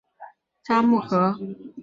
札木合。